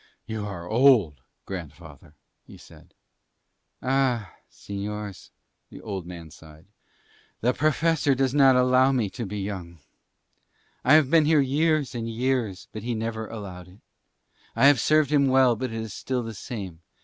"You are old, grandfather," he said. "Ah, Señores," the old man sighed, "the Professor does not allow me to be young. I have been here years and years but he never allowed it. I have served him well but it is still the same.